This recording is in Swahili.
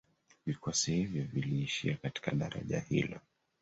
Vikosi hivyo viliishia katika daraja hilo